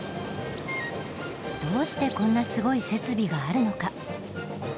どうしてこんなすごい設備があるのか？